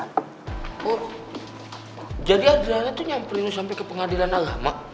oh jadi adriana tuh nyampulin lo sampai ke pengadilan agama